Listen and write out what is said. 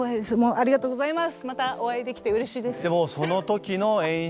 ありがとうございます。